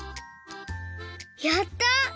やった！